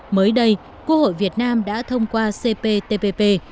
mới đây quốc hội việt nam đã thông qua cptpp